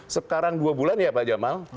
sekarang dua bulan ya pak jamal